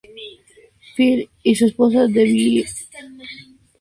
Flip y su esposa Debbie tuvieron cuatro hijos.